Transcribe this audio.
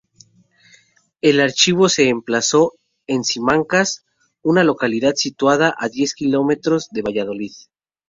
El archivo se emplazó en Simancas, una localidad situada a diez kilómetros de Valladolid.